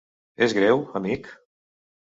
És greu, amic?